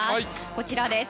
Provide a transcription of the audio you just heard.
こちらです。